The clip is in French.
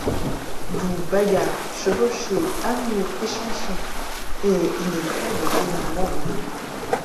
D'où bagarres, chevauchées, amour et chansons… et inévitable dénouement heureux.